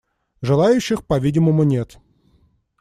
Желающих, по-видимому, нет.